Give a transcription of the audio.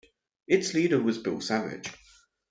Its leader was Bill Savage.